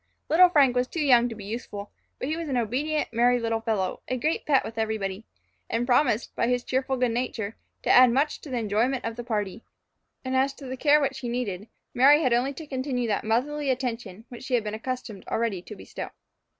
Little Frank was too young to be useful, but he was an obedient, merry little fellow, a great pet with everybody, and promised, by his cheerful good nature, to add much to the enjoyment of the party; and as to the care which he needed, Mary had only to continue that motherly attention which she had been accustomed already to bestow.